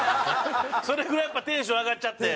それぐらいやっぱテンション上がっちゃって。